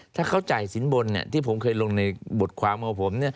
ถ้าเขาจ่ายสินบนที่ผมเคยลงในบทความของผม